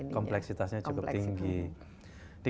kompleksitasnya cukup tinggi